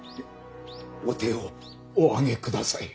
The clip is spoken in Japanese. お手をお上げください。